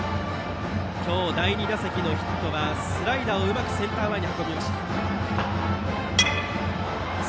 今日、第２打席のヒットはスライダーをうまくセンター前へ。